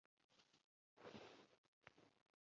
mike ikigaragaza ko wakunze umuntu